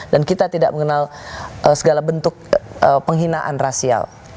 dan kita tidak mengenal segala bentuk penghinaan rasial